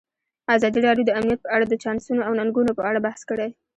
ازادي راډیو د امنیت په اړه د چانسونو او ننګونو په اړه بحث کړی.